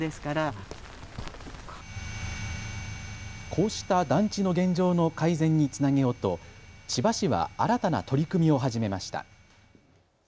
こうした団地の現状の改善につなげようと千葉市は新たな取り組みを始めました。